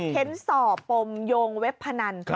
เห็นสอบพรมยงเว็บพนัน